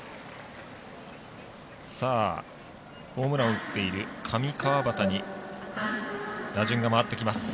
ホームランを打っている上川畑に打順が回ってきます。